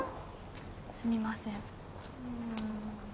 すみません